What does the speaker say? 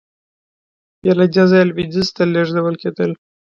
بیا له دې ځایه لوېدیځ ته لېږدول کېدل.